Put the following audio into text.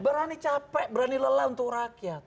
berani capek berani lelah untuk rakyat